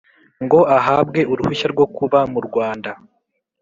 ngo ahabwe uruhushya rwo kuba mu Rwanda